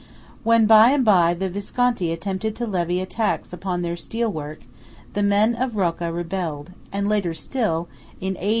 When by and by the Visconti attempted to levy a tax upon their steel work, the men of Rocca rebelled; and later still, in A.